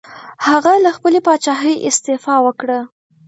هغه له خپلې پاچاهۍ استعفا وکړه.